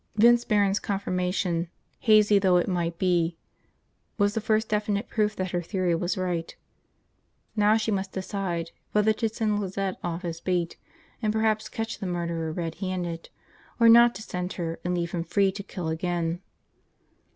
Vince Barron's confirmation, hazy though it might be, was the first definite proof that her theory was right. Now she must decide whether to send Lizette off as bait and perhaps catch the murderer red handed, or not to send her and leave him free to kill again.